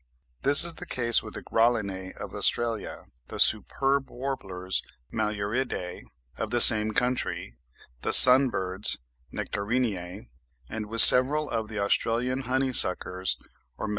This is the case with the Grallinae of Australia, the Superb Warblers (Maluridae) of the same country, the Sun birds (Nectariniae), and with several of the Australian Honey suckers or Meliphagidae.